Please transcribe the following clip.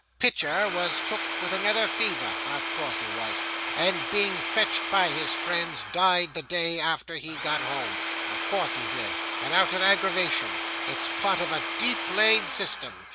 "Pitcher was took with another fever," of course he was "and being fetched by his friends, died the day after he got home," of course he did, and out of aggravation; it's part of a deep laid system.